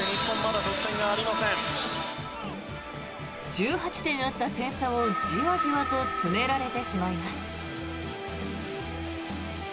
１８点あった点差をじわじわと詰められてしまいます。